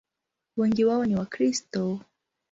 Wengi wao ni Wakristo.